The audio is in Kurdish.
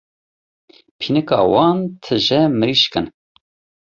Pînika wan tije mirîşk in.